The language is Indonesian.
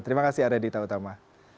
terima kasih arya dita utama